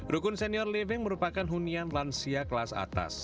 rukun senior living merupakan hunian lansia kelas atas